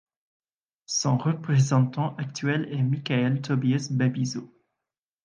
Son représentant actuel est Mikael Tobiyas Babiso.